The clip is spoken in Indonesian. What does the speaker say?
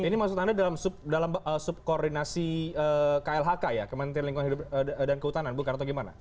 ini maksud anda dalam subordinasi klhk ya kementerian lingkungan hidup dan kehutanan bukan atau gimana